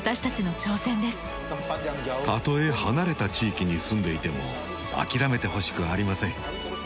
たとえ離れた地域に住んでいても諦めてほしくありません。